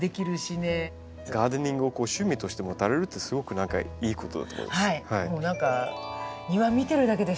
ガーデニングを趣味として持たれるってすごく何かいいことだと思います。